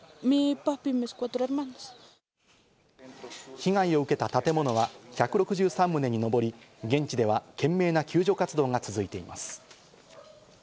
被害を受けた建物は１６３棟に上り、現地では懸命な救助活動が続いています。